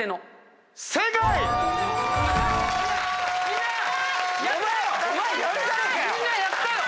みんなやったよ！